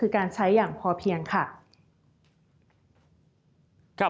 คือการใช้อย่างพอเพียงค่ะ